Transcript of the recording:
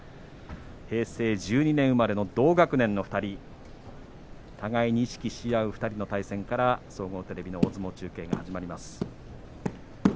平成１２年生まれの同学年の２人互いに意識し合う２人の対戦から総合テレビの大相撲中継が始まります。